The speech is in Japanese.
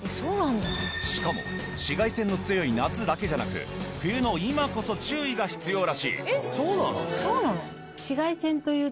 しかも紫外線の強い夏だけじゃなく冬の今こそ注意が必要らしい。